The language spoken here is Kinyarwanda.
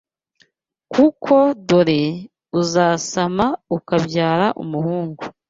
kuko dore, uzasama, ukabyara umuhungu